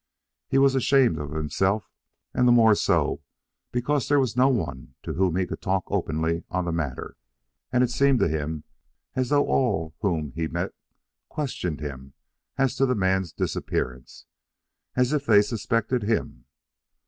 He was ashamed of himself, and the more so because there was no one to whom he could talk openly on the matter. And it seemed to him as though all whom he met questioned him as to the man's disappearance, as if they suspected him.